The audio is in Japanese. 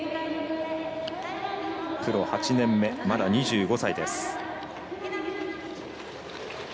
プロ８年目、まだ２５歳です。